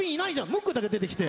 ムックだけ出てきて。